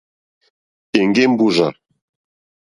Èŋɡé mbúrzà.